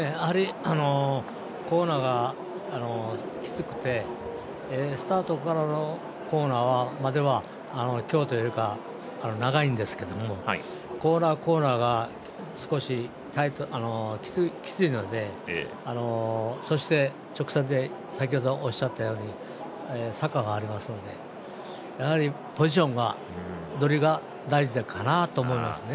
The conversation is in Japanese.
コーナーがきつくてスタートからのコーナーまでは京都よりか長いんですけれどコーナー、コーナーが少しきついのでそして、直線で先ほどおっしゃったように坂がありますのでやはりポジション取りが大事かなと思いますね。